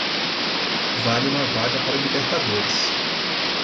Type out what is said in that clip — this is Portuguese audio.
Vale uma vaga para a Libertadores.